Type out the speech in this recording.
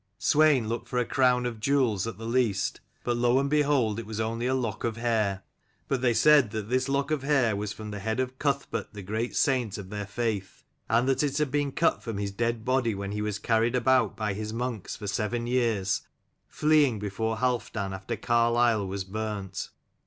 Swein looked for a crown of jewels at the least : but lo and behold it was only a lock of hair. But they said that this lock of hair was from the head of Cuthbert the great saint of their faith: and that it had been cut from his dead body when he was carried about by his monks for seven years, fleeing before Halfdan after Carlisle was burnt.